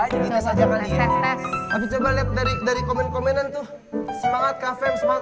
aja aja kali ya tapi coba lihat dari dari komen komen itu semangat kafem semangat